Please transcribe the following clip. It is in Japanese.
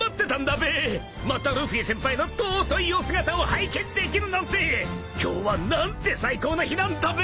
またルフィ先輩の尊いお姿を拝見できるなんて今日は何て最高な日なんだべ！